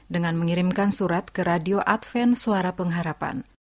dengan mengirimkan surat ke radio adven suara pengharapan